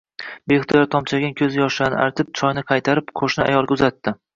Beixtiyor tomchilagan koʻz yoshlarini artib, choyni qaytarib, qoʻshni ayolga uzatdi